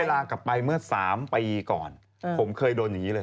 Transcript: ย้อนเวลากลับไปเมื่อ๓ปีก่อนผมเคยโดนนี้เลย